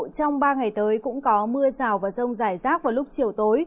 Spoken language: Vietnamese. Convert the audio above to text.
trong ba ngày tới cũng có mưa rào và rông rải rác vào lúc chiều tối